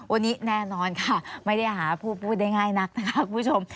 วันนี้แน่นอนค่ะไม่ได้หาผู้พูดได้ง่ายนักนะคะคุณผู้ชม